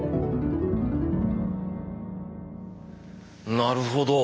なるほど。